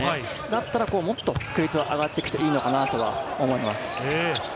だったら、もっと確率は上がっていくといいのかなとは思います。